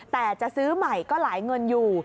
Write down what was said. แต่จะซื้อใหม่ก็หลายเงินอยู่